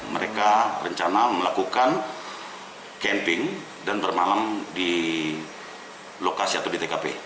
mereka rencana melakukan camping dan bermalam di lokasi atau di tkp